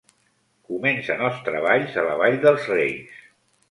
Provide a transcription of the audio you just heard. Comencen els treballs a la Vall dels Reis.